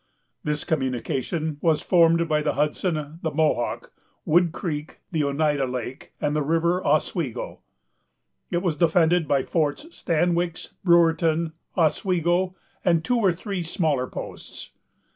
This communication was formed by the Hudson, the Mohawk, Wood Creek, the Oneida Lake, and the River Oswego. It was defended by Forts Stanwix, Brewerton, Oswego, and two or three smaller posts.